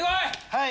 はい。